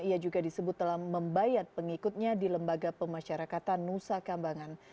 ia juga disebut telah membayar pengikutnya di lembaga pemasyarakatan nusa kambangan